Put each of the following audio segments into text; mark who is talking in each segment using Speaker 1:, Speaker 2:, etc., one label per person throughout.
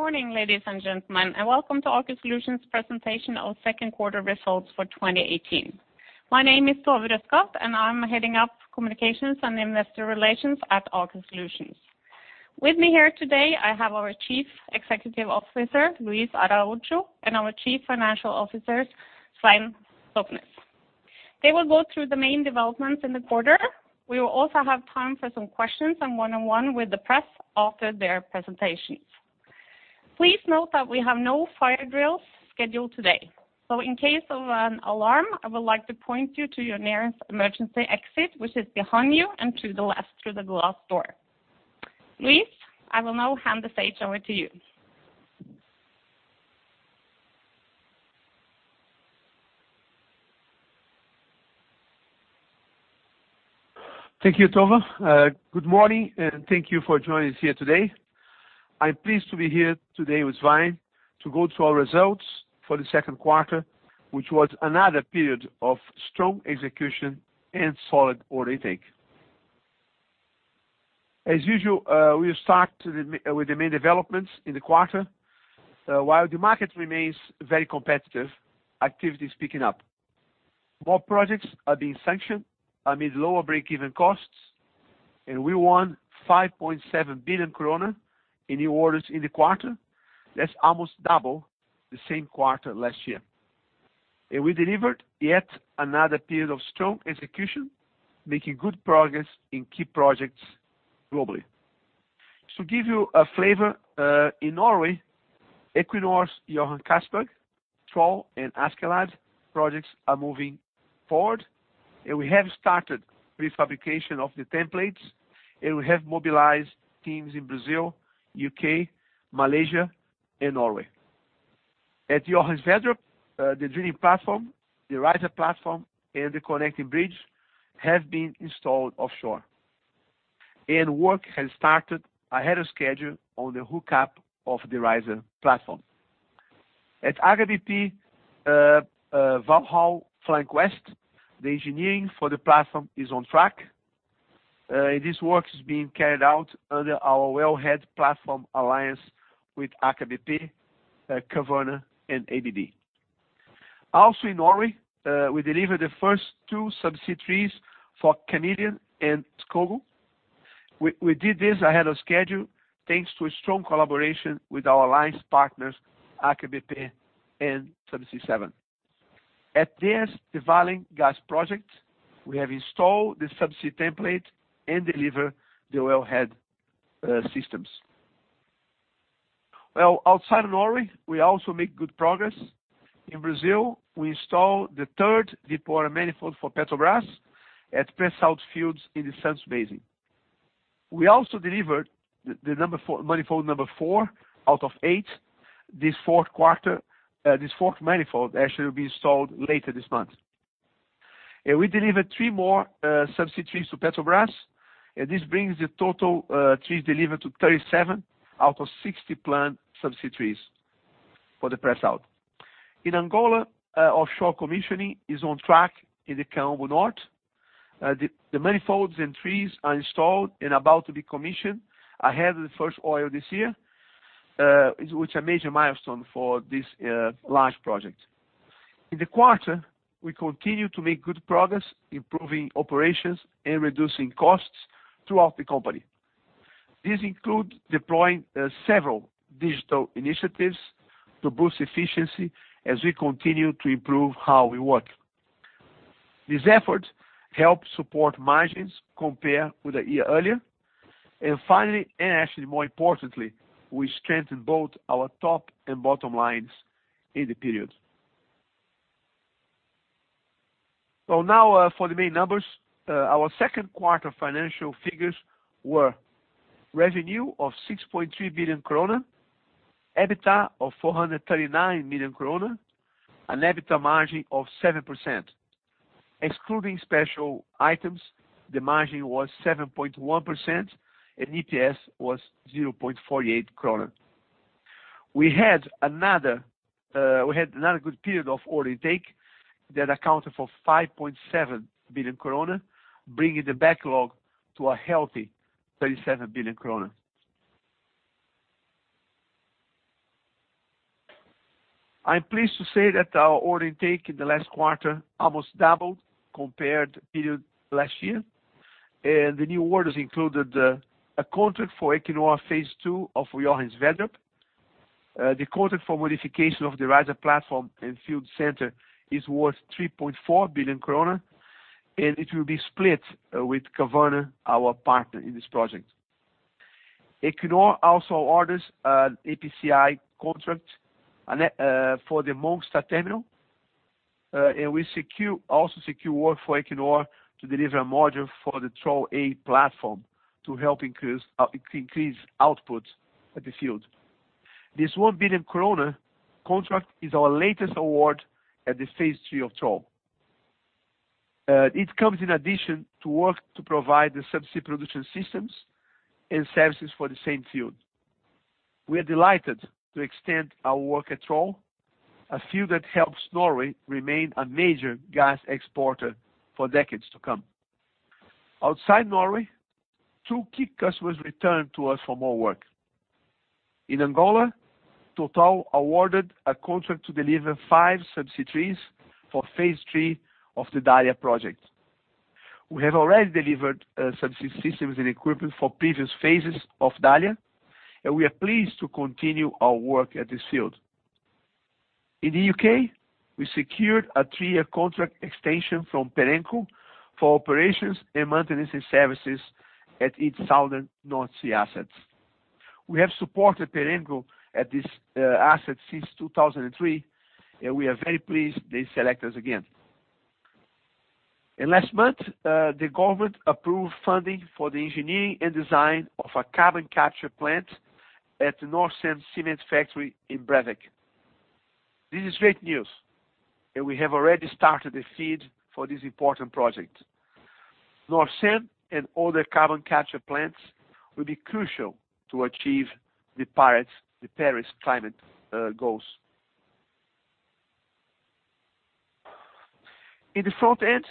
Speaker 1: Morning, ladies and gentlemen, and welcome to Aker Solutions presentation of second quarter results for 2018. My name is Tove Røysland, and I'm heading up Communications and Investor Relations at Aker Solutions. With me here today, I have our Chief Executive Officer, Luis Araujo, and our Chief Financial Officer, Svein Stoknes. They will go through the main developments in the quarter. We will also have time for some questions and one-on-one with the press after their presentations. Please note that we have no fire drills scheduled today. In case of an alarm, I would like to point you to your nearest emergency exit, which is behind you and to the left through the glass door. Luis, I will now hand the stage over to you.
Speaker 2: Thank you, Tove. Good morning, and thank you for joining us here today. I'm pleased to be here today with Svein to go through our results for the second quarter, which was another period of strong execution and solid order intake. As usual, we'll start with the main developments in the quarter. While the market remains very competitive, activity is picking up. More projects are being sanctioned amid lower break-even costs, and we won 5.7 billion kroner in new orders in the quarter. That's almost double the same quarter last year. We delivered yet another period of strong execution, making good progress in key projects globally. To give you a flavor, in Norway, Equinor's Johan Castberg, Troll, and Askeladd projects are moving forward, and we have started prefabrication of the templates, and we have mobilized teams in Brazil, U. K., Malaysia, and Norway. At Johan Sverdrup, the drilling platform, the riser platform, and the connecting bridge have been installed offshore. Work has started ahead of schedule on the hookup of the riser platform. At Aker BP, Valhall Flank West, the engineering for the platform is on track. This work is being carried out under our wellhead platform alliance with Aker BP, Kværner, and ABB. Also in Norway, we delivered the first two subsea trees for Ærfugl and Skogul. We did this ahead of schedule, thanks to a strong collaboration with our alliance partners, Aker BP and Subsea 7. At this, the Valhall Gas project, we have installed the subsea template and deliver the wellhead systems. Well, outside of Norway, we also make good progress. In Brazil, we install the third deepwater manifold for Petrobras at Pre-Salt fields in the Santos Basin. We also delivered the manifold number four out of eight this fourth quarter. This fourth manifold actually will be installed later this month. We delivered three more subsea trees to Petrobras. This brings the total trees delivered to 37 out of 60 planned subsea trees for the Pre-Salt. In Angola, offshore commissioning is on track in the Kaombo Norte. The manifolds and trees are installed and about to be commissioned ahead of the first oil this year, which a major milestone for this large project. In the quarter, we continue to make good progress improving operations and reducing costs throughout the company. This includes deploying several digital initiatives to boost efficiency as we continue to improve how we work. This effort helps support margins compared with a year earlier. Finally, and actually more importantly, we strengthened both our top and bottom lines in the period. Now, for the main numbers, our second quarter financial figures were revenue of 6.3 billion kroner, EBITDA of 439 million kroner, an EBITDA margin of 7%. Excluding special items, the margin was 7.1%, and EPS was 0.48 kroner. We had another good period of order intake that accounted for 5.7 billion krone, bringing the backlog to a healthy 37 billion krone. I'm pleased to say that our order intake in the last quarter almost doubled compared period last year. The new orders included a contract for Equinor phase II of Johan Sverdrup. The contract for modification of the riser platform and field center is worth 3.4 billion kroner, and it will be split with Kværner, our partner in this project. Equinor also orders EPCI contract for the Mongstad terminal. We secure, also secure work for Equinor to deliver a module for the Troll A platform to help increase output at the field. This 1 billion kroner contract is our latest award at the phase III of Troll. It comes in addition to work to provide the subsea production systems and services for the same field. We are delighted to extend our work at Troll, a field that helps Norway remain a major gas exporter for decades to come. Outside Norway, two key customers returned to us for more work. In Angola, Total awarded a contract to deliver five subsea trees for phase III of the Dalia project. We have already delivered subsea systems and equipment for previous phases of Dalia, and we are pleased to continue our work at this field. In the U.K., we secured a three-year contract extension from Perenco for operations and maintenance services at its southern North Sea assets. We have supported Perenco at this asset since 2003, and we are very pleased they select us again. Last month, the government approved funding for the engineering and design of a carbon capture plant at the Norcem Cement Factory in Brevik. This is great news, and we have already started the FEED for this important project. Norcem and all the carbon capture plants will be crucial to achieve the Paris climate goals. In the front end,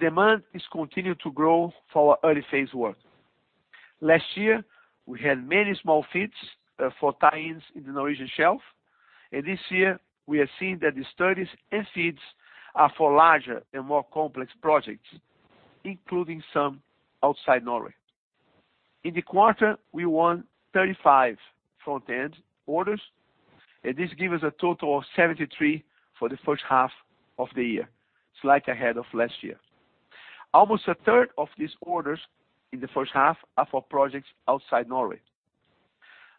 Speaker 2: demand is continuing to grow for our early phase work. Last year, we had many small FEEDs for tie-ins in the Norwegian shelf. This year, we are seeing that the studies and FEEDs are for larger and more complex projects, including some outside Norway. In the quarter, we won 35 front end orders, and this give us a total of 73 for the first half of the year, slightly ahead of last year. Almost a third of these orders in the first half are for projects outside Norway.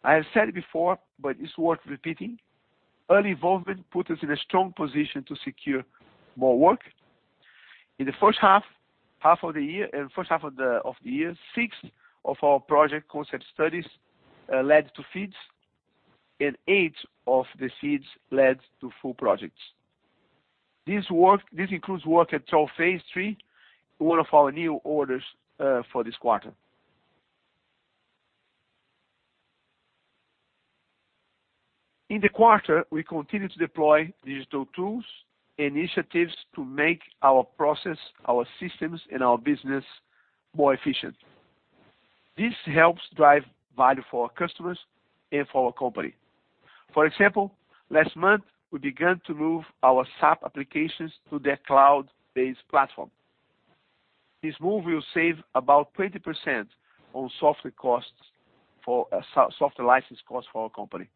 Speaker 2: I have said it before, but it's worth repeating. Early involvement put us in a strong position to secure more work. In the first half of the year, six of our project concept studies led to FEEDs, and eight of the FEEDs led to full projects. This includes work at Troll phase III, one of our new orders for this quarter. In the quarter, we continued to deploy digital tools initiatives to make our process, our systems, and our business more efficient. This helps drive value for our customers and for our company. For example, last month, we began to move our SAP applications to their cloud-based platform. This move will save about 20% on software costs for software license costs for our company.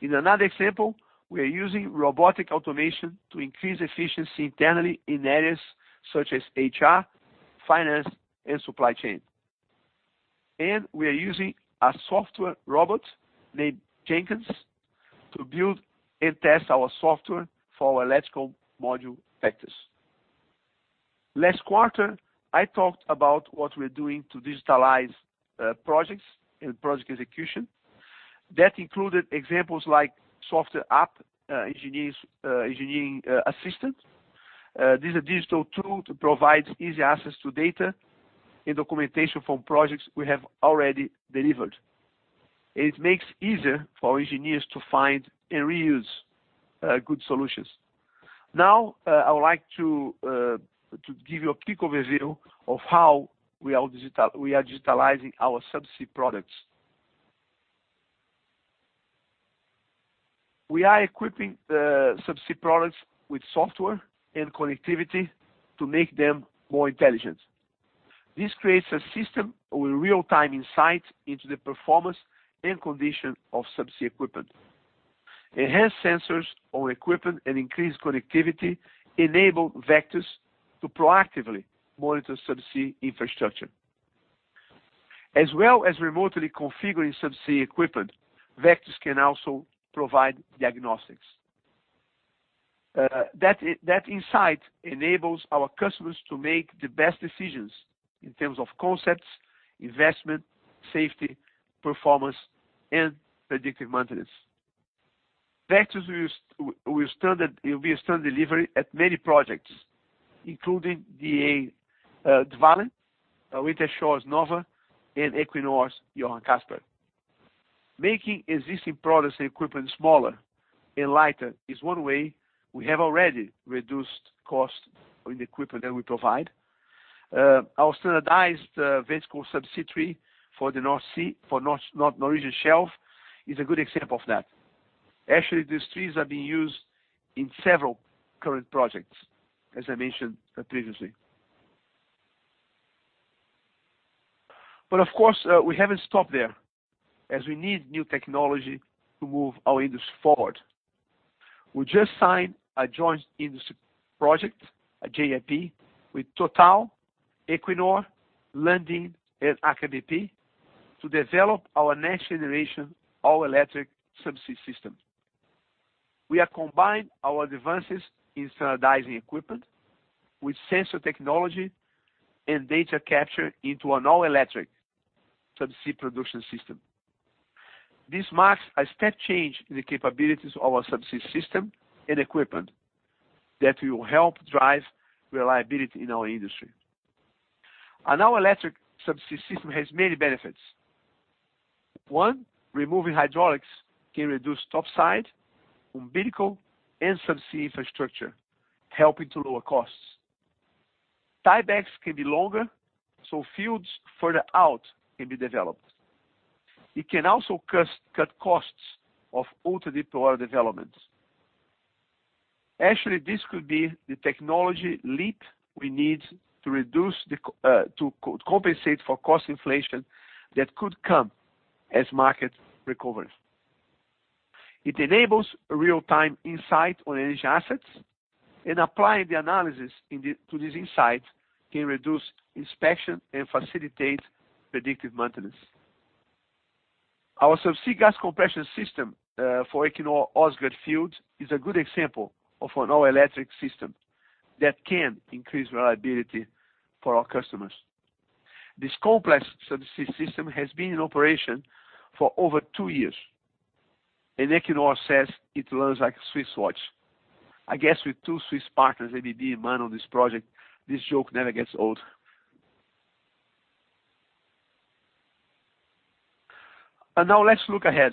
Speaker 2: In another example, we are using robotic automation to increase efficiency internally in areas such as HR, finance, and supply chain. We are using a software robot named Jenkins to build and test our software for our electrical module vectors. Last quarter, I talked about what we're doing to digitalize projects and project execution. That included examples like software app, engineers, engineering assistant. This is a digital tool to provide easy access to data and documentation from projects we have already delivered. It makes easier for our engineers to find and reuse good solutions. I would like to give you a quick overview of how we are digitalizing our subsea products. We are equipping the subsea products with software and connectivity to make them more intelligent. This creates a system with real-time insight into the performance and condition of subsea equipment. Enhanced sensors on equipment and increased connectivity enable vectors to proactively monitor subsea infrastructure. As well as remotely configuring subsea equipment, vectors can also provide diagnostics. That insight enables our customers to make the best decisions in terms of concepts, investment, safety, performance, and predictive maintenance. Vectors will be a standard delivery at many projects, including the Dvalin, Wintershall Nova, and Equinor's Johan Castberg. Making existing products and equipment smaller and lighter is one way we have already reduced costs in the equipment that we provide. Our standardized vessel subsea tree for the North Sea, for Norwegian shelf is a good example of that. Actually, these trees are being used in several current projects, as I mentioned previously. Of course, we haven't stopped there, as we need new technology to move our industry forward. We just signed a Joint Industry Project, a JIP, with Total, Equinor, Lundin, and Aker BP to develop our next-generation all-electric subsea system. We have combined our advances in standardizing equipment with sensor technology and data capture into an all-electric subsea production system. This marks a step change in the capabilities of our subsea system and equipment that will help drive reliability in our industry. Our electric subsea system has many benefits. One, removing hydraulics can reduce topside, umbilical and subsea infrastructure, helping to lower costs. Tiebacks can be longer, so fields further out can be developed. It can also cut costs of ultra-deepwater developments. Actually, this could be the technology leap we need to reduce to compensate for cost inflation that could come as market recovers. It enables real-time insight on energy assets, applying the analysis to this insight can reduce inspection and facilitate predictive maintenance. Our subsea gas compression system for Equinor Åsgard field is a good example of an all-electric system that can increase reliability for our customers. This complex subsea system has been in operation for over two years, Equinor says it runs like a Swiss watch. I guess with two Swiss partners, ABB and MAN on this project, this joke never gets old. Now let's look ahead.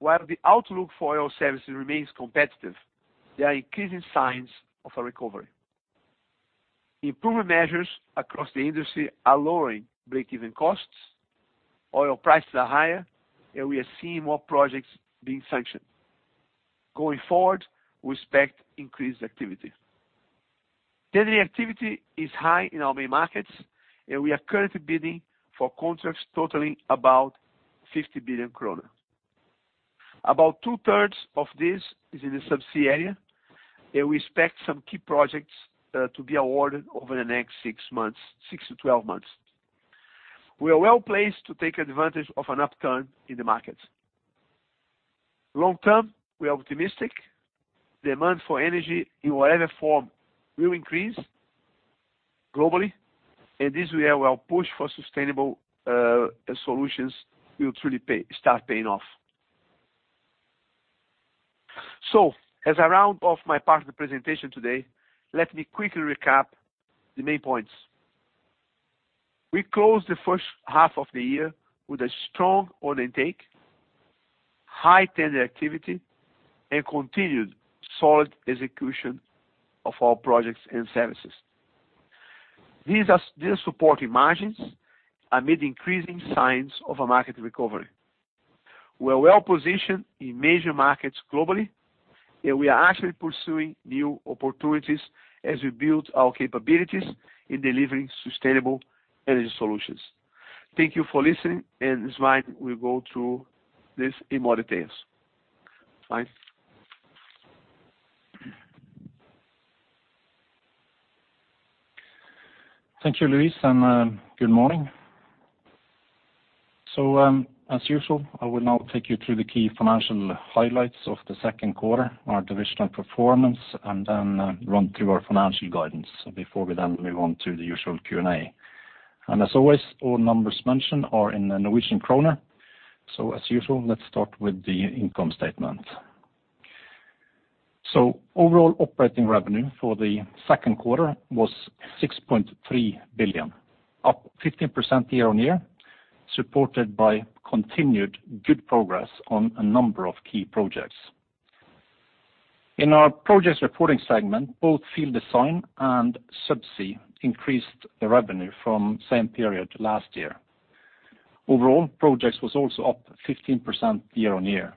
Speaker 2: While the outlook for oil services remains competitive, there are increasing signs of a recovery. Improvement measures across the industry are lowering break-even costs. Oil prices are higher, we are seeing more projects being sanctioned. Going forward, we expect increased activity. Tender activity is high in our main markets. We are currently bidding for contracts totaling about 50 billion kroner. About two-thirds of this is in the subsea area. We expect some key projects to be awarded over the next six to twelve months. We are well-placed to take advantage of an upturn in the market. Long term, we are optimistic. Demand for energy in whatever form will increase globally. This year, our push for sustainable solutions will truly start paying off. As I round off my part of the presentation today, let me quickly recap the main points. We closed the first half of the year with a strong order intake, high tender activity, and continued solid execution of our projects and services. These are supporting margins amid increasing signs of a market recovery. We are well-positioned in major markets globally. We are actually pursuing new opportunities as we build our capabilities in delivering sustainable energy solutions. Thank you for listening. Svein will go through this in more details. Svein?
Speaker 3: Thank you, Luis, good morning. As usual, I will now take you through the key financial highlights of the second quarter, our divisional performance, run through our financial guidance before we move on to the usual Q&A. As always, all numbers mentioned are in the Norwegian Kroner. As usual, let's start with the income statement. Overall operating revenue for the second quarter was 6.3 billion, up 15% year-on-year, supported by continued good progress on a number of key projects. In our projects reporting segment, both field design and subsea increased the revenue from same period last year. Overall, projects was also up 15% year-on-year.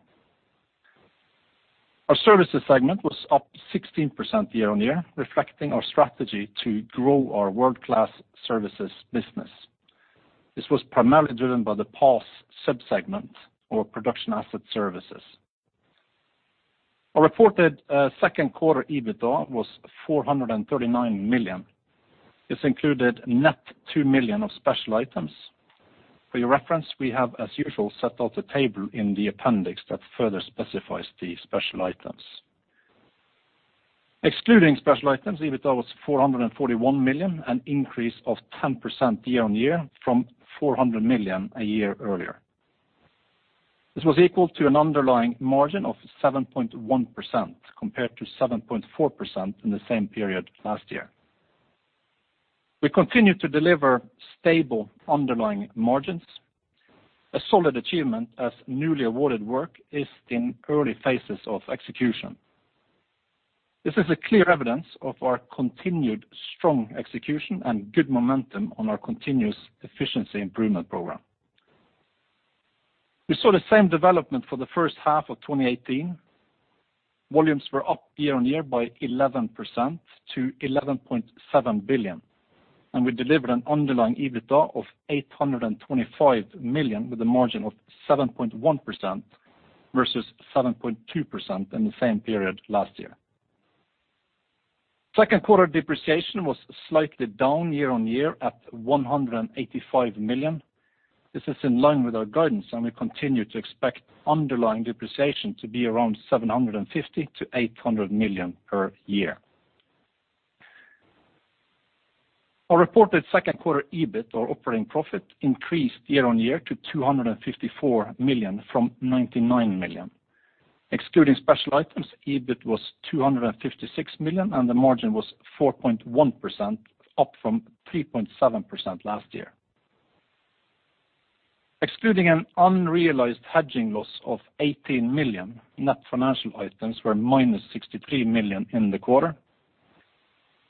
Speaker 3: Our services segment was up 16% year-on-year, reflecting our strategy to grow our world-class services business. This was primarily driven by the PAS sub-segment or Production Asset Services. Our reported second quarter EBITDA was 439 million. This included net 2 million of special items. For your reference, we have, as usual, set out a table in the appendix that further specifies the special items. Excluding special items, EBITDA was 441 million, an increase of 10% year-on-year from 400 million a year earlier. This was equal to an underlying margin of 7.1% compared to 7.4% in the same period last year. We continue to deliver stable underlying margins, a solid achievement as newly awarded work is in early phases of execution. This is a clear evidence of our continued strong execution and good momentum on our continuous efficiency improvement program. We saw the same development for the first half of 2018. Volumes were up year-on-year by 11% to 11.7 billion. We delivered an underlying EBITDA of 825 million with a margin of 7.1% versus 7.2% in the same period last year. Second quarter depreciation was slightly down year-on-year at 185 million. This is in line with our guidance, and we continue to expect underlying depreciation to be around 750 million-800 million per year. Our reported second quarter EBIT or operating profit increased year-on-year to 254 million from 99 million. Excluding special items, EBIT was 256 million, and the margin was 4.1%, up from 3.7% last year. Excluding an unrealized hedging loss of 18 million, net financial items were -63 million in the quarter,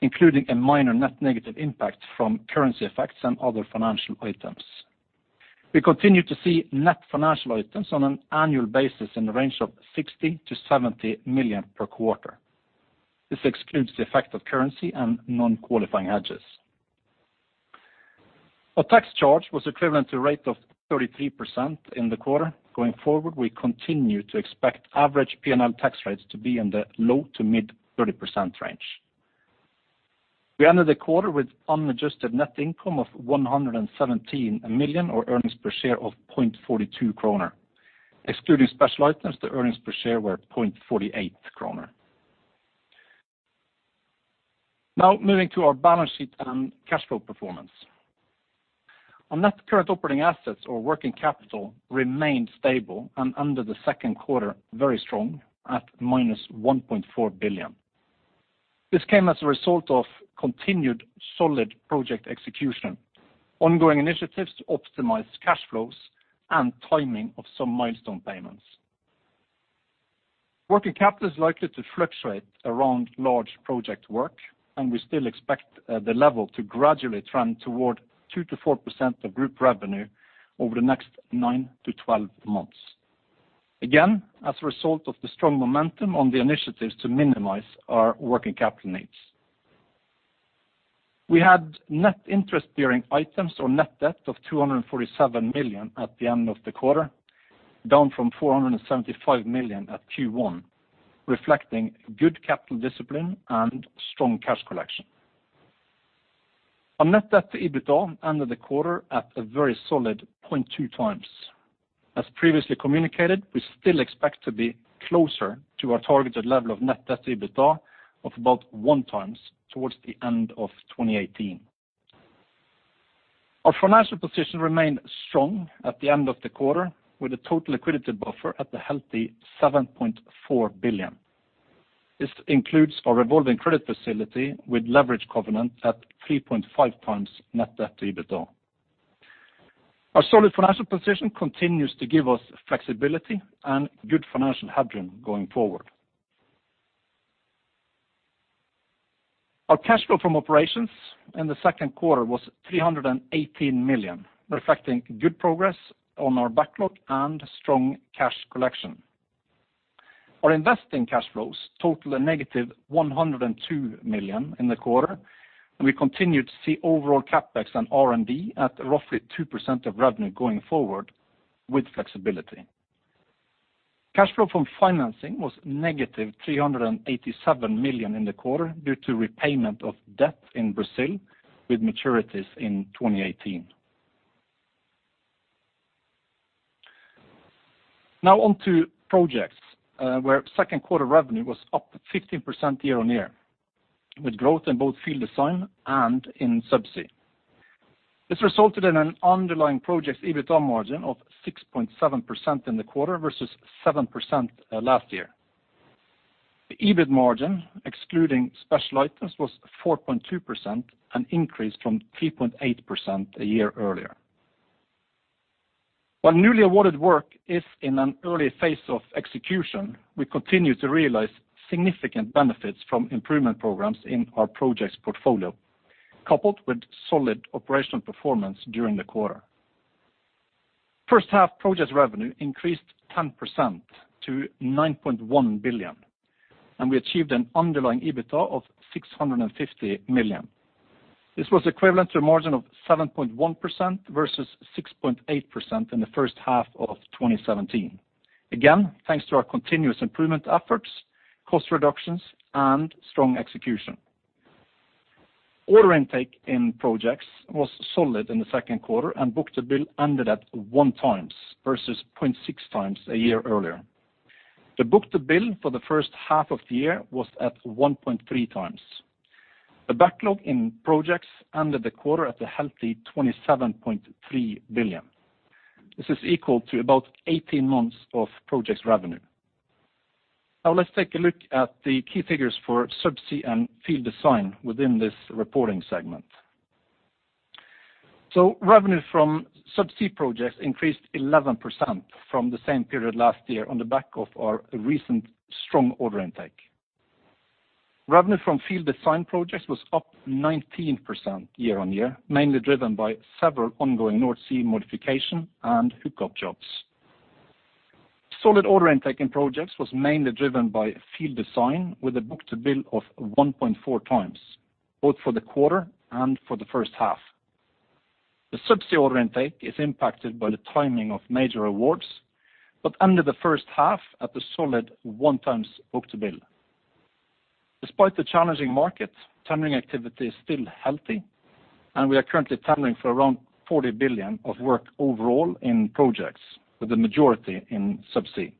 Speaker 3: including a minor net negative impact from currency effects and other financial items. We continue to see net financial items on an annual basis in the range of 60 million-70 million per quarter. This excludes the effect of currency and non-qualifying hedges. Our tax charge was equivalent to a rate of 33% in the quarter. Going forward, we continue to expect average P&L tax rates to be in the low to mid 30% range. We ended the quarter with unadjusted net income of 117 million, or earnings per share of 0.42 kroner. Excluding special items, the earnings per share were 0.48 kroner. Now moving to our balance sheet and cash flow performance. On net current operating assets or working capital remained stable, and under the second quarter, very strong at -1.4 billion. This came as a result of continued solid project execution, ongoing initiatives to optimize cash flows, and timing of some milestone payments. Working capital is likely to fluctuate around large project work, and we still expect the level to gradually trend toward 2%-4% of group revenue over the next 9-12 months. Again, as a result of the strong momentum on the initiatives to minimize our working capital needs. We had net interest-bearing items or net debt of 247 million at the end of the quarter, down from 475 million at Q1, reflecting good capital discipline and strong cash collection. Our net debt to EBITDA ended the quarter at a very solid 0.2x. As previously communicated, we still expect to be closer to our targeted level of net debt to EBITDA of about onex towards the end of 2018. Our financial position remained strong at the end of the quarter, with a total liquidity buffer at a healthy 7.4 billion. This includes our revolving credit facility with leverage covenant at 3.5x net debt to EBITDA. Our solid financial position continues to give us flexibility and good financial headroom going forward. Our cash flow from operations in the second quarter was 318 million, reflecting good progress on our backlog and strong cash collection. Our investing cash flows totaled a -102 million in the quarter, and we continued to see overall CapEx and R&D at roughly 2% of revenue going forward with flexibility. Cash flow from financing was -387 million in the quarter due to repayment of debt in Brazil with maturities in 2018. Now on to projects, where second quarter revenue was up 15% year-over-year, with growth in both field design and in subsea. This resulted in an underlying projects EBITDA margin of 6.7% in the quarter versus 7% last year. The EBIT margin, excluding special items, was 4.2%, an increase from 3.8% a year earlier. While newly awarded work is in an early phase of execution, we continue to realize significant benefits from improvement programs in our projects portfolio, coupled with solid operational performance during the quarter. First half projects revenue increased 10% to 9.1 billion, and we achieved an underlying EBITDA of 650 million. This was equivalent to a margin of 7.1% versus 6.8% in the first half of 2017. Again, thanks to our continuous improvement efforts, cost reductions, and strong execution. Order intake in projects was solid in the second quarter, and book-to-bill ended at 1x versus 0.6x a year earlier. The book-to-bill for the first half of the year was at 1.3x. The backlog in projects ended the quarter at a healthy 27.3 billion. This is equal to about 18 months of projects revenue. Now let's take a look at the key figures for subsea and field design within this reporting segment. Revenue from subsea projects increased 11% from the same period last year on the back of our recent strong order intake. Revenue from field design projects was up 19% year-on-year, mainly driven by several ongoing North Sea modification and hookup jobs. Solid order intake in projects was mainly driven by field design with a book-to-bill of 1.4x, both for the quarter and for the first half. The subsea order intake is impacted by the timing of major awards, but ended the first half at a solid 1x book-to-bill. Despite the challenging market, tendering activity is still healthy, and we are currently tendering for around 40 billion of work overall in projects with the majority in subsea.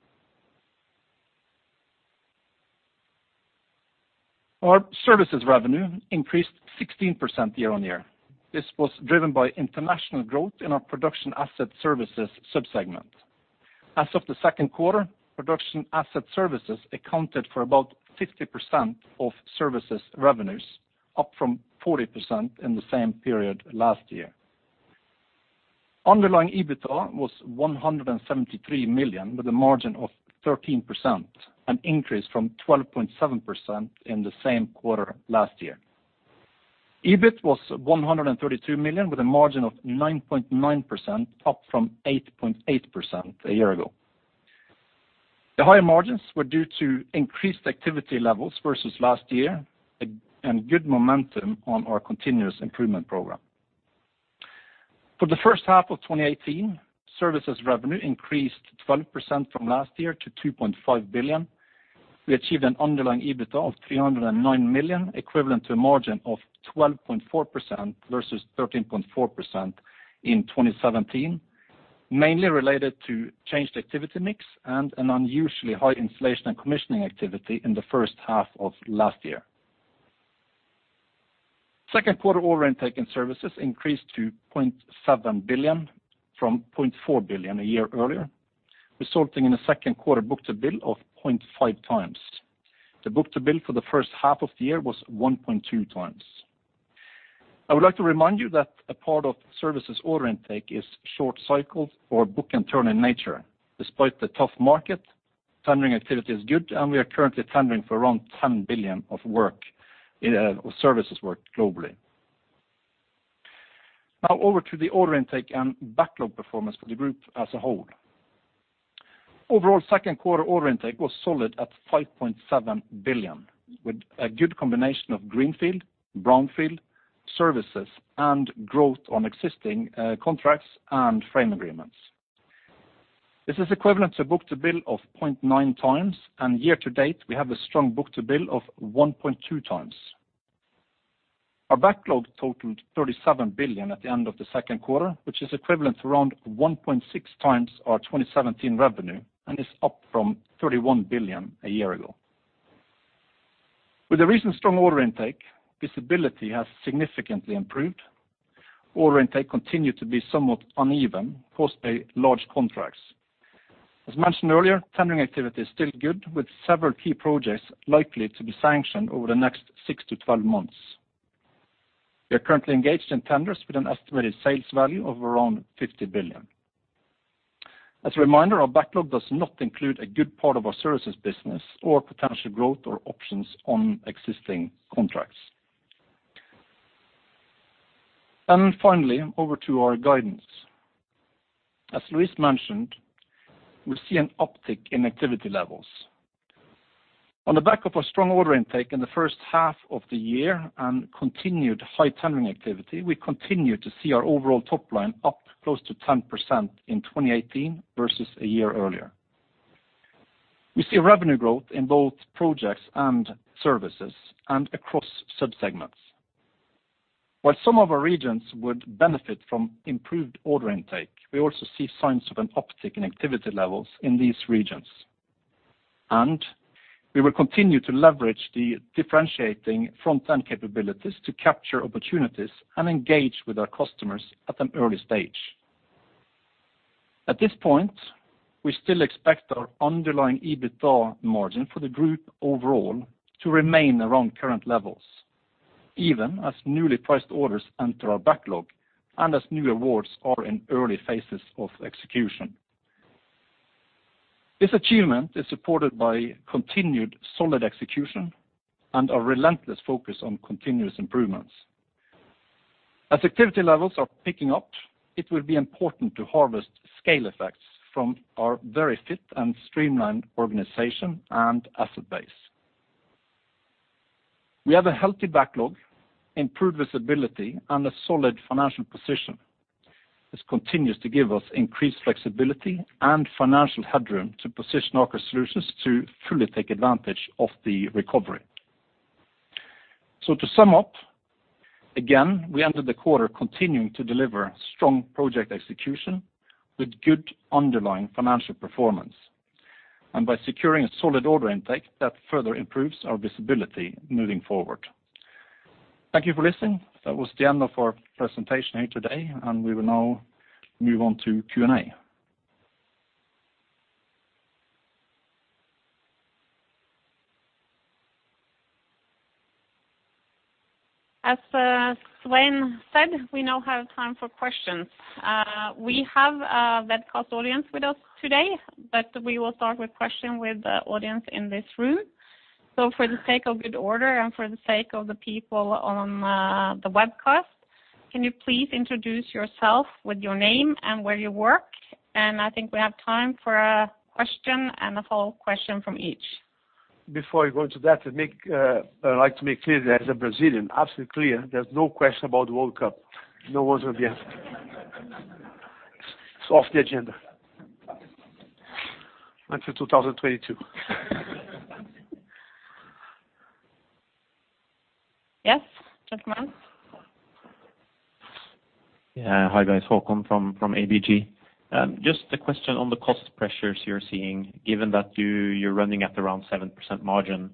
Speaker 3: Our services revenue increased 16% year-on-year. This was driven by international growth in our Production Asset Services sub-segment. As of the second quarter, Production Asset Services accounted for about 50% of services revenues, up from 40% in the same period last year. Underlying EBITDA was 173 million with a margin of 13%, an increase from 12.7% in the same quarter last year. EBIT was 132 million with a margin of 9.9%, up from 8.8% a year ago. The higher margins were due to increased activity levels versus last year, and good momentum on our continuous improvement program. For the first half of 2018, services revenue increased 12% from last year to 2.5 billion. We achieved an underlying EBITDA of 309 million, equivalent to a margin of 12.4% versus 13.4% in 2017, mainly related to changed activity mix and an unusually high inflation and commissioning activity in the first half of last year. Second quarter order intake in services increased to 0.7 billion from 0.4 billion a year earlier, resulting in a second quarter book-to-bill of 0.5x. The book-to-bill for the first half of the year was 1.2x. I would like to remind you that a part of services order intake is short cycle or book-and-turn in nature. Despite the tough market, tendering activity is good, and we are currently tendering for around 10 billion of work in services work globally. Over to the order intake and backlog performance for the group as a whole. Overall, second quarter order intake was solid at 5.7 billion, with a good combination of greenfield, brownfield, services, and growth on existing contracts and frame agreements. This is equivalent to book-to-bill of 0.9x, and year to date, we have a strong book-to-bill of 1.2x. Our backlog totaled 37 billion at the end of the second quarter, which is equivalent to around 1.6x our 2017 revenue and is up from 31 billion a year ago. With the recent strong order intake, visibility has significantly improved. Order intake continued to be somewhat uneven, caused by large contracts. As mentioned earlier, tendering activity is still good, with several key projects likely to be sanctioned over the next 6-12 months. We are currently engaged in tenders with an estimated sales value of around 50 billion. As a reminder, our backlog does not include a good part of our services business or potential growth or options on existing contracts. Finally, over to our guidance. As Luis mentioned, we see an uptick in activity levels. On the back of our strong order intake in the first half of the year and continued high tendering activity, we continue to see our overall top line up close to 10% in 2018 versus a year earlier. We see revenue growth in both projects and services and across sub-segments. While some of our regions would benefit from improved order intake, we also see signs of an uptick in activity levels in these regions. We will continue to leverage the differentiating front-end capabilities to capture opportunities and engage with our customers at an early stage. At this point, we still expect our underlying EBITDA margin for the group overall to remain around current levels, even as newly priced orders enter our backlog and as new awards are in early phases of execution. This achievement is supported by continued solid execution, and a relentless focus on continuous improvements. As activity levels are picking up, it will be important to harvest scale effects from our very fit and streamlined organization and asset base. We have a healthy backlog, improved visibility, and a solid financial position. This continues to give us increased flexibility and financial headroom to position Aker Solutions to fully take advantage of the recovery. To sum up, again, we ended the quarter continuing to deliver strong project execution with good underlying financial performance, and by securing a solid order intake, that further improves our visibility moving forward. Thank you for listening. That was the end of our presentation here today, and we will now move on to Q&A.
Speaker 1: As Svein said, we now have time for questions. We have a webcast audience with us today, but we will start with question with the audience in this room. For the sake of good order and for the sake of the people on the webcast, can you please introduce yourself with your name and where you work? I think we have time for a question and a follow-up question from each.
Speaker 4: Before I go into that, to make, I would like to make clear that as a Brazilian, absolutely clear, there's no question about the World Cup. No one's going to be asking. It's off the agenda. Not till 2022.
Speaker 1: Yes, gentleman.
Speaker 5: Yeah. Hi, guys. Håkon from ABG. Just a question on the cost pressures you're seeing, given that you're running at around 7% margin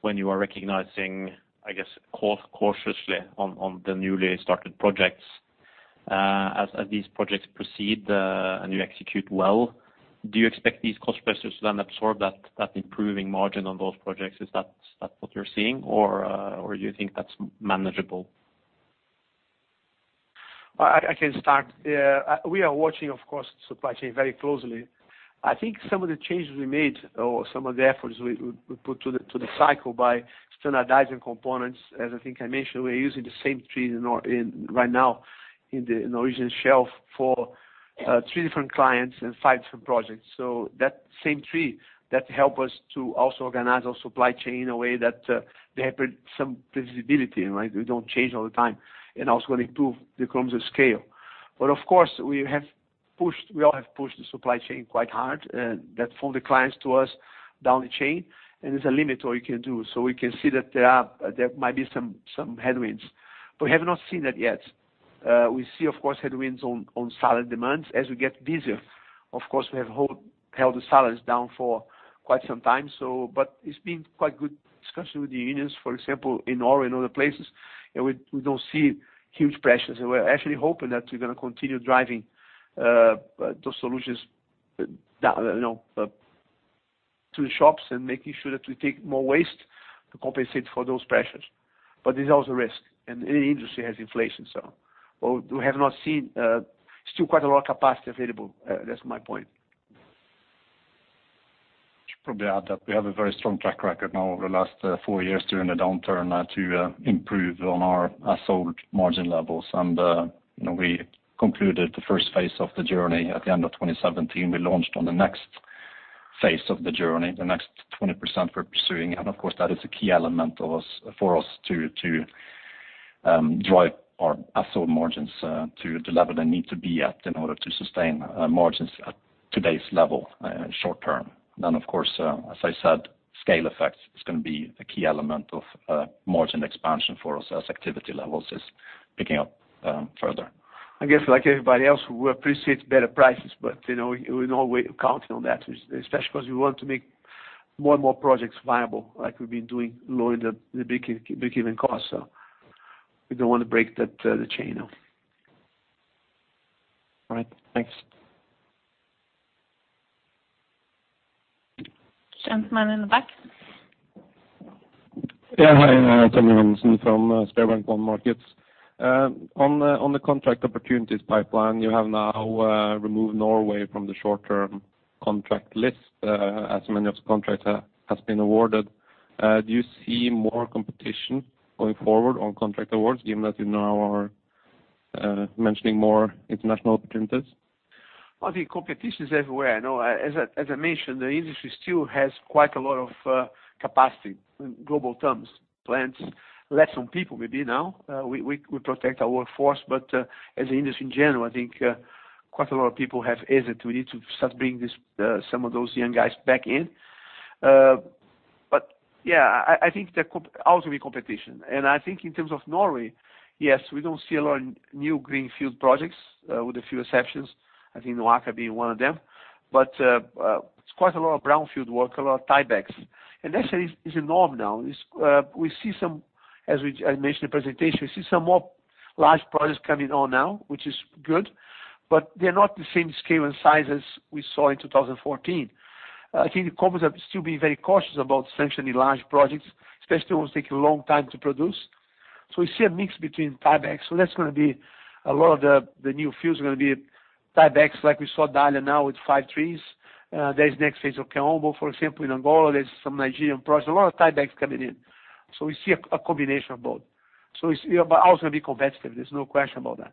Speaker 5: when you are recognizing, I guess, cautiously on the newly started projects. As these projects proceed, and you execute well, do you expect these cost pressures to then absorb that improving margin on those projects? Is that what you're seeing? Or do you think that's manageable?
Speaker 2: I can start. Yeah, we are watching, of course, supply chain very closely. I think some of the changes we made or some of the efforts we put to the, to the cycle by standardizing components, as I think I mentioned, we're using the same tree in right now in the, in the Norwegian shelf for three different clients and five different projects. That same tree, that help us to also organize our supply chain in a way that they have some predictability, right? We don't change all the time, and also gonna improve the economies of scale. Of course, we all have pushed the supply chain quite hard, and that from the clients to us down the chain, and there's a limit to what you can do. We can see that there might be some headwinds. We have not seen that yet. We see, of course, headwinds on salary demands as we get busier. Of course, we have held the salaries down for quite some time, so but it's been quite good discussion with the unions, for example, in Aura and other places, and we don't see huge pressures. We're actually hoping that we're gonna continue driving those solutions down, you know, to the shops and making sure that we take more waste to compensate for those pressures. There's also risk, and any industry has inflation, so. We have not seen still quite a lot of capacity available. That's my point.
Speaker 3: Should probably add that we have a very strong track record now over the last four years during the downturn to improve on our sold margin levels. You know, we concluded the first phase of the journey at the end of 2017. We launched on the next phase of the journey, the next 20% we're pursuing. Of course, that is a key element of us, for us to drive our absolute margins to the level they need to be at in order to sustain margins at today's level short term. Of course, as I said, scale effects is gonna be a key element of margin expansion for us as activity levels is picking up further.
Speaker 2: I guess like everybody else, we appreciate better prices, but, you know, we're in no way counting on that, especially because we want to make more and more projects viable like we've been doing, lowering the breakeven costs. We don't want to break that the chain now.
Speaker 5: All right. Thanks.
Speaker 1: Gentleman in the back.
Speaker 6: Yeah. Hi, Tore Johansen from SpareBank 1 Markets. On the contract opportunities pipeline, you have now removed Norway from the short term contract list, as many of contracts has been awarded. Do you see more competition going forward on contract awards given that you now are mentioning more international opportunities?
Speaker 2: I think competition is everywhere. No, as I mentioned, the industry still has quite a lot of capacity in global terms, plants, less on people maybe now. We protect our workforce, but as an industry in general, I think, quite a lot of people have exit. We need to start bringing this, some of those young guys back in. Yeah, I think there could also be competition. I think in terms of Norway, yes, we don't see a lot of new greenfield projects, with a few exceptions. I think Noaka being one of them. It's quite a lot of brownfield work, a lot of tiebacks. Actually, it's a norm now. We see some, as I mentioned in presentation, we see some more large projects coming on now, which is good, but they're not the same scale and size as we saw in 2014. I think the companies have still been very cautious about sanctioning large projects, especially ones taking a long time to produce. We see a mix between tiebacks. That's gonna be a lot of the new fields are gonna be tiebacks like we saw Dalia now with five trees. There is next phase of Kaombo, for example, in Angola, there's some Nigerian projects, a lot of tiebacks coming in. We see a combination of both. It's, you know, but also gonna be competitive, there's no question about that.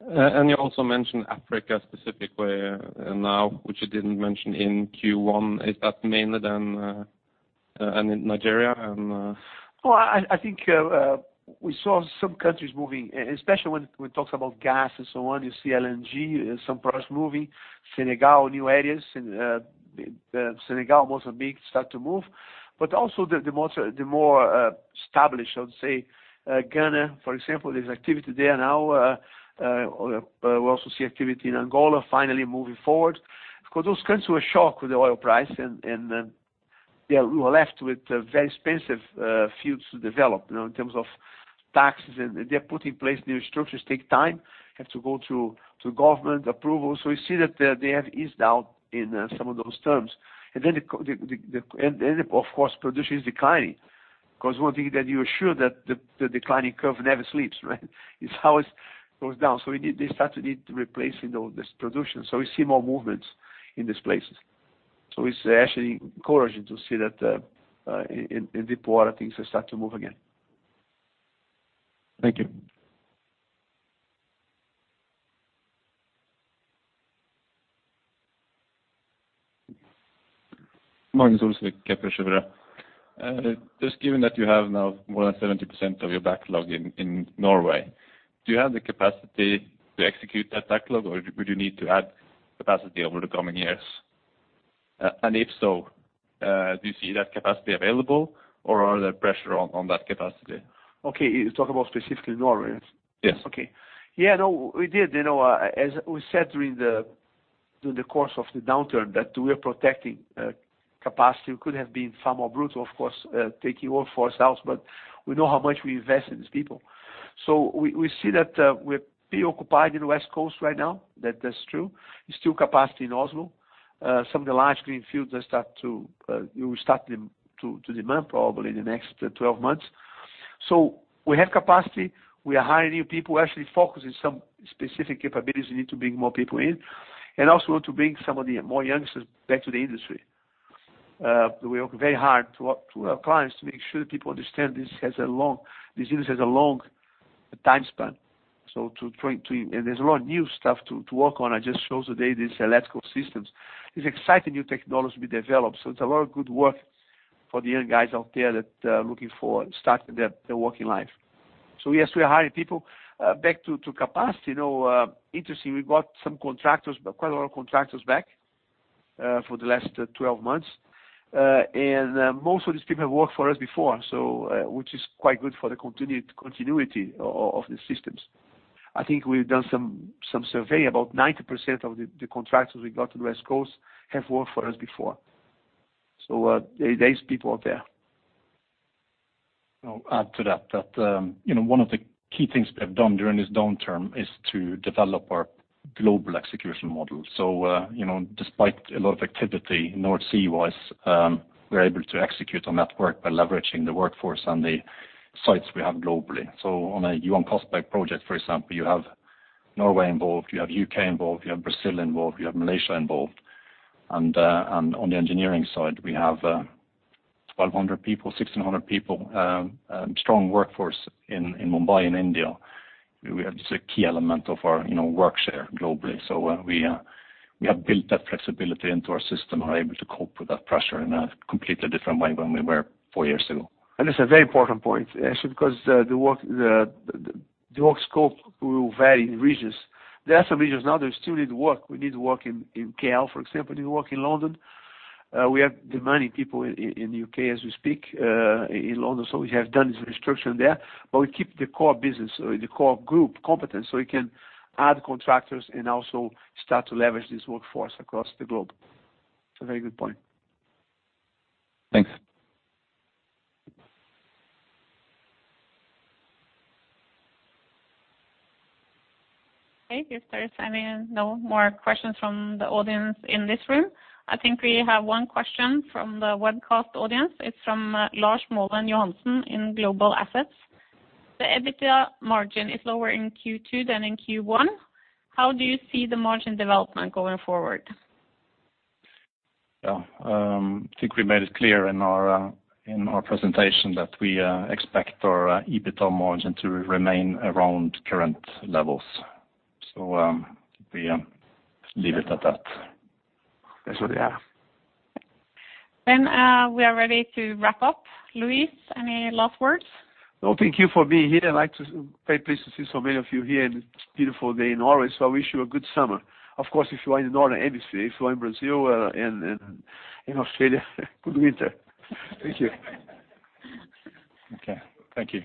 Speaker 6: You also mentioned Africa specifically now, which you didn't mention in Q1. Is that mainly then, and in Nigeria?
Speaker 2: Well, I think we saw some countries moving, especially when it talks about gas and so on, you see LNG, some products moving, Senegal, new areas, Senegal, Mozambique start to move. Also the more established, I would say, Ghana, for example, there's activity there now. We also see activity in Angola finally moving forward. Of course, those countries were shocked with the oil price, and they were left with very expensive fields to develop, you know, in terms of taxes, and they're putting in place new structures, take time, have to go through to government approval. We see that they have eased out in some of those terms. Of course, production is declining because one thing that you are sure that the declining curve never sleeps, right? It's how it goes down. We need, they start to need to replace, you know, this production. We see more movements in these places. It's actually encouraging to see that in deeper water things are start to move again.
Speaker 6: Thank you.
Speaker 7: Marius Olsvik, Kepler Cheuvreux. Just given that you have now more than 70% of your backlog in Norway, do you have the capacity to execute that backlog, or would you need to add capacity over the coming years? If so, do you see that capacity available or are there pressure on that capacity?
Speaker 2: Okay. You talk about specifically Norway?
Speaker 7: Yes.
Speaker 2: Okay. Yeah, no, we did, you know, as we said during the course of the downturn that we are protecting capacity. We could have been far more brutal, of course, taking all four cells, but we know how much we invest in these people. We see that we're pretty occupied in the West Coast right now, that's true. There's still capacity in Oslo. Some of the large green fields have start to, you start them to demand probably in the next 12 months. We have capacity. We are hiring new people, actually focusing some specific capabilities we need to bring more people in. Also want to bring some of the more youngsters back to the industry. We work very hard to our clients to make sure that people understand this industry has a long time span. There's a lot of new stuff to work on. I just showed today these electrical systems. It's exciting new technology to be developed, so it's a lot of good work for the young guys out there that are looking for starting their working life. Yes, we are hiring people back to capacity. You know, interesting, we got some contractors, quite a lot of contractors back for the last 12 months. Most of these people have worked for us before, which is quite good for the continuity of the systems. I think we've done some survey. About 90% of the contractors we got to the West Coast have worked for us before. There is people out there.
Speaker 3: I'll add to that, you know, one of the key things we have done during this downturn is to develop our global execution model. You know, despite a lot of activity North Sea-wise, we're able to execute on that work by leveraging the workforce and the sites we have globally. On a Johan Castberg project, for example, you have Norway involved, you have U.K. involved, you have Brazil involved, you have Malaysia involved. On the engineering side, we have 1,200 people, 1,600 people, strong workforce in Mumbai in India. We have just a key element of our, you know, work share globally. We have built that flexibility into our system, are able to cope with that pressure in a completely different way than we were four years ago.
Speaker 2: That's a very important point, actually, because the work scope will vary in regions. There are some regions now they still need work. We need to work in KL, for example, need to work in London. We have demanding people in U.K. as we speak, in London. We have done some restructure there, but we keep the core business or the core group competent, so we can add contractors and also start to leverage this workforce across the globe. It's a very good point.
Speaker 7: Thanks.
Speaker 1: Okay. If there's any more questions from the audience in this room. I think we have one question from the webcast audience. It's from Lars Mouen Johansen in Global Assets. The EBITDA margin is lower in Q2 than in Q1. How do you see the margin development going forward?
Speaker 3: Yeah, I think we made it clear in our in our presentation that we expect our EBITDA margin to remain around current levels. We leave it at that.
Speaker 2: That's what we have.
Speaker 1: We are ready to wrap up. Luis, any last words?
Speaker 2: No, thank you for being here. I'd like to say pleased to see so many of you here in this beautiful day in Norway. I wish you a good summer. Of course, if you are in the northern hemisphere. If you are in Brazil and in Australia, good winter. Thank you.
Speaker 3: Okay. Thank you.